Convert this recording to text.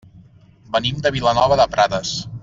Venim de Vilanova de Prades.